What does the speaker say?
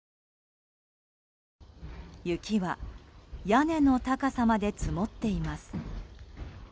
雪は屋根の高さまで積もっています。